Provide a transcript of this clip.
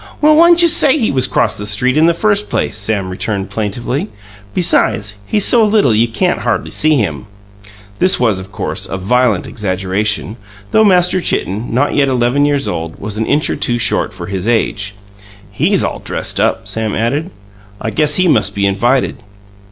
"Well, whyn't you say he was 'cross the street in the first place?" Sam returned plaintively. "Besides, he's so little you can't hardly see him." This was, of course, a violent exaggeration, though Master Chitten, not yet eleven years old, was an inch or two short for his age. "He's all dressed up," Sam added. "I guess he must be invited."